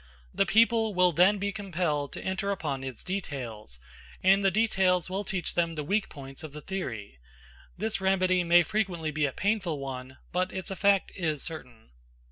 The people will then be compelled to enter upon its details, and the details will teach them the weak points of the theory. This remedy may frequently be a painful one, but its effect is certain.